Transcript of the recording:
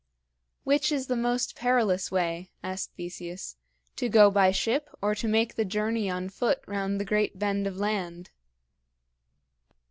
"Which is the most perilous way?" asked Theseus "to go by ship or to make the journey on foot round the great bend of land?"